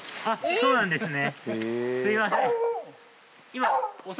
そうなんですね。